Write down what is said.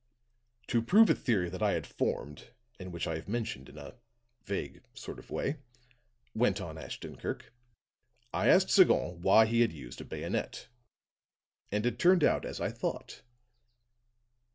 "To prove a theory that I had formed, and which I have mentioned in a vague sort of way," went on Ashton Kirk, "I asked Sagon why he had used a bayonet. And it turned out as I had thought.